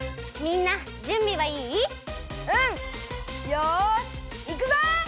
よしいくぞ！